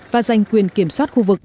và giành quyền kiểm soát khu vực